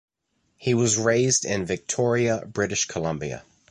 He was raised in Victoria, British Columbia.